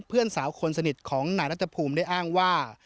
เพื่อนสาวคนสนิทของนายรัฐภูมิได้อ้างว่า